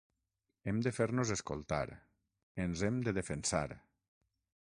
Hem de fer-nos escoltar, ens hem de defensar.